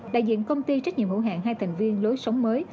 đại diện công ty trách nhiệm hữu hạng hai thành viên lối sống mới